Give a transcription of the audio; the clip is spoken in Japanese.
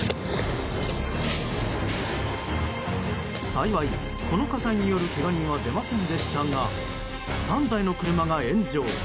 幸い、この火災によるけが人は出ませんでしたが３台の車が炎上。